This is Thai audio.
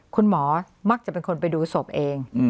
คุณหมอมักจะเป็นคนไปดูศพเอง